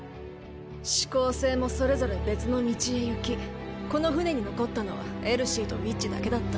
四煌星もそれぞれ別の道へ行きこの船に残ったのはエルシーとウィッチだけだった。